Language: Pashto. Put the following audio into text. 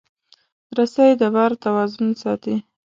رسۍ د بار توازن ساتي.